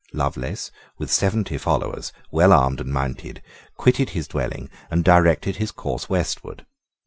Lovelace, with seventy followers, well armed and mounted, quitted his dwelling, and directed his course westward.